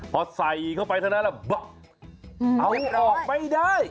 พอใส่เข้าไปเท่านั้นเอาออกไม่ได้